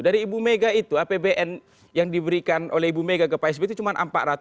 dari ibu mega itu apbn yang diberikan oleh ibu mega ke pak sby itu cuma empat ratus